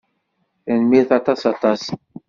Tanemmirt aṭas aṭas.